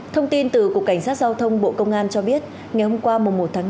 thông tin từ cục cảnh sát giao thông bộ công an cho biết ngày hôm qua một tháng năm